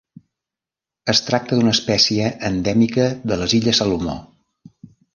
Es tracta d'una espècie endèmica de les illes Salomó.